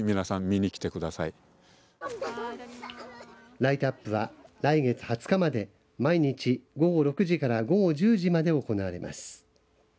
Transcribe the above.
ライトアップは、来月２０日まで毎日午後６時から午後１０時まで行われます。